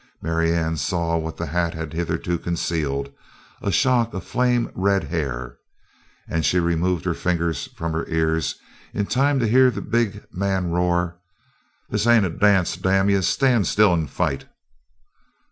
Marianne saw what the hat had hitherto concealed, a shock of flame red hair, and she removed her fingers from her ears in time to hear the big man roar: "This ain't a dance, damn you! Stand still and fight!"